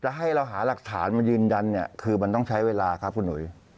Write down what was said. ให้เราหาหลักฐานมายืนยันเนี่ยคือมันต้องใช้เวลาครับคุณหุย